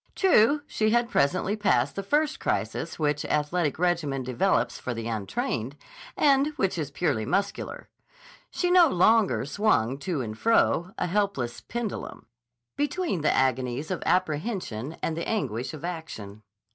True she had presently passed the first crisis which athletic regimen develops for the untrained, and which is purely muscular. She no longer swung to and fro, a helpless pendulum, between the agonies of apprehension and the anguish of action.